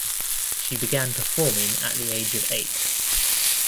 She began performing at the age of eight.